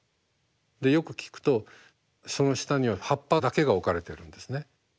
でよく聞くとその下には葉っぱだけが置かれてるんですね。